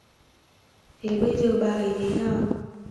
Thế bây giờ bà ấy thế nào